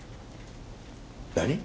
何！？